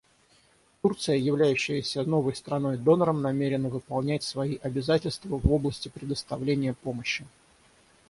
Турция, являющаяся новой страной-донором, намерена выполнять свои обязательства в области предоставления помощи.